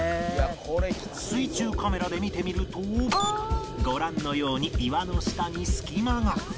水中カメラで見てみるとご覧のように岩の下に隙間が